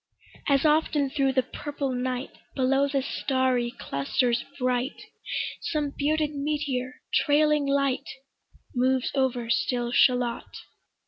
As often thro' the purple night, Below the starry clusters bright, Some bearded meteor, trailing light, Moves over still Shalott.